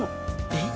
えっ？